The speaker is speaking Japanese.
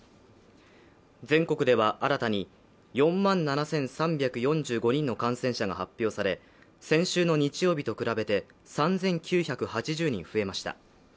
全国では新たに４万７３４５人の感染者が発表され先週の日曜日と比べて３９８０人増えました。